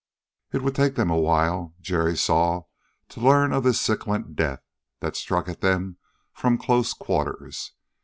It would take them a while, Jerry saw, to learn of this scintillant death that struck at them from close quarters.